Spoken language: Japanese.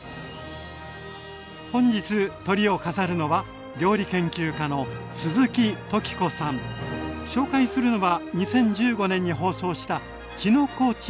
本日トリを飾るのは紹介するのは２０１５年に放送したきのこちまき。